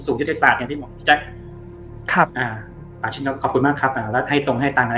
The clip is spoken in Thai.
สูงยุทธศาสตร์พี่แจ็คขอบคุณมากครับแล้วให้ตรงให้ต่าง